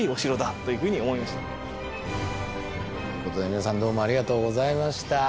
ということで皆さんどうもありがとうございました。